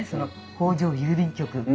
「北条郵便局」。